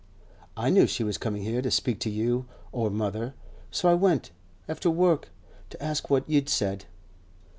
I knew she was coming here to speak to you or mother, so I went, after work, to ask what you'd said.